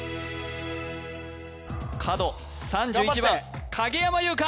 角３１番影山優佳